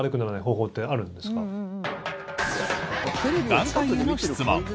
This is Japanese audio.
眼科医への質問。